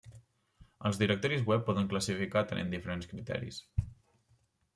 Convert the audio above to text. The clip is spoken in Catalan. Els directoris web poden classificar atenent diferents criteris.